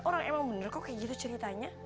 orang emang bener kok kayak gitu ceritanya